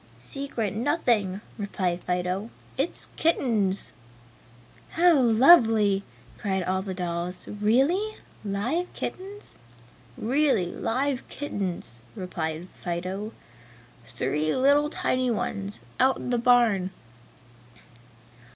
"Secret nothing," replied Fido, "It's kittens!" "How lovely!" cried all the dolls, "Really live kittens?" "Really live kittens!" replied Fido, "Three little tiny ones, out in the barn!"